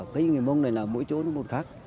cái người mông này là mỗi chỗ nó một khác